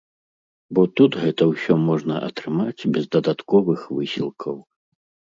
Бо тут гэта ўсё можна атрымаць без дадатковых высілкаў.